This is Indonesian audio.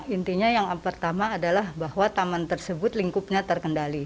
intinya yang pertama adalah bahwa taman tersebut lingkupnya terkendali